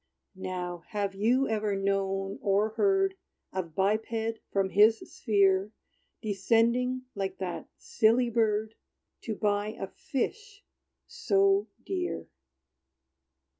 Now, have you ever known or heard Of biped, from his sphere Descending, like that silly bird To buy a fish so dear?